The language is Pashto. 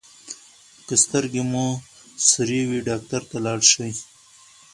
که سترګې مو سرې وي ډاکټر ته لاړ شئ.